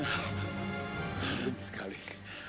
terima kasih sekali